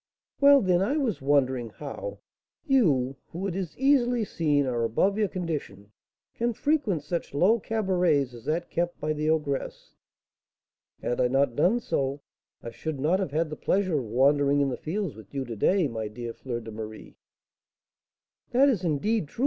"Well, then, I was wondering how you, who, it is easily seen, are above your condition, can frequent such low cabarets as that kept by the ogress." "Had I not done so, I should not have had the pleasure of wandering in the fields with you to day, my dear Fleur de Marie." "That is, indeed, true, M.